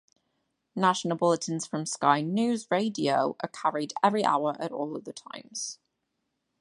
National bulletins from Sky News Radio are carried every hour at all other times.